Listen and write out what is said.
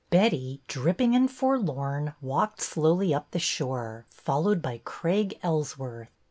Betty, dripping and forlorn, walked slowly up the slioffe, followed by Craig Ellsworth.